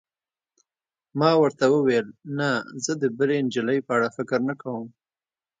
ما ورته وویل: نه، زه د بلې نجلۍ په اړه فکر نه کوم.